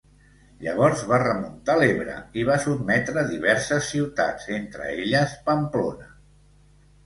Llavors va remuntar l'Ebre i va sotmetre diverses ciutats, entre elles Pamplona.